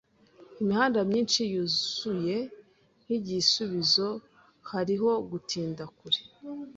Imihanda myinshi yuzuye. Nkigisubizo hariho gutinda kure